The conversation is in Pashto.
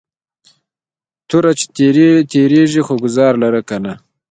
توره چې تیرېږي خو گزار لره کنه